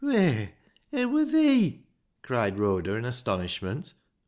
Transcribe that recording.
" Whey, it xvur thee," cried Rhoda in astonish ment.